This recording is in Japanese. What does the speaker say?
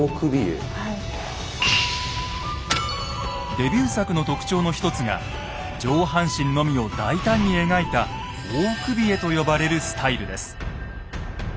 デビュー作の特徴の一つが上半身のみを大胆に描いた大首絵と呼ばれるスタイルです。